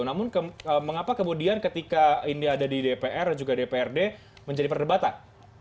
namun mengapa kemudian ketika ini ada di dpr dan juga dprd menjadi perdebatan